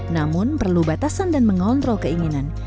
namun perlu batasan dan mengontrol keinginan